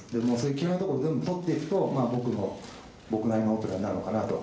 嫌いなところを全部取っていくと、僕の、僕なりのオペラになるのかなと。